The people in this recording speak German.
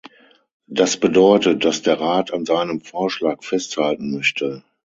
Das bedeutet, dass der Rat an seinem Vorschlag festhalten möchte.